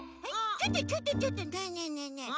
ちょっとちょっとちょっとねえねえねえねえ！